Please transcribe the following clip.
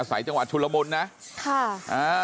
อาศัยจังหวัดชุลมุลนะค่ะ